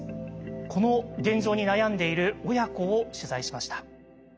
この現状に悩んでいる親子を取材しました。